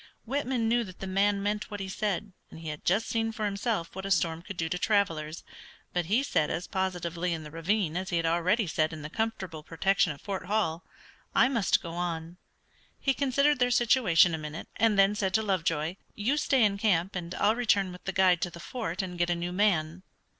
Whitman knew that the man meant what he said, and he had just seen for himself what a storm could do to travelers, but he said as positively in the ravine as he had already said in the comfortable protection of Fort Hall, "I must go on." He considered their situation a minute, and then said to Lovejoy, "You stay in camp, and I'll return with the guide to the fort and get a new man."